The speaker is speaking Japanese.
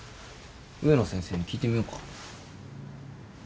植野先生に聞いてみようか？